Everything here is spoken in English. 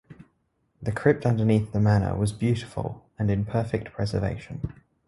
The crypt underneath the manor was beautiful, and in perfect preservation.